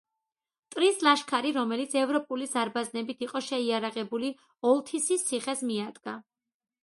მტრის ლაშქარი, რომელიც ევროპული ზარბაზნებით იყო შეიარაღებული, ოლთისის ციხეს მიადგა.